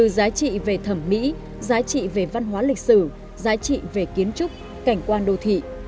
giá trị về văn hóa lịch sử giá trị về kiến trúc cảnh quan đô thị